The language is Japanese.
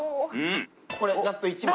これラスト１枚？